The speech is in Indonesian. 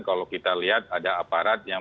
kalau kita lihat ada aparat yang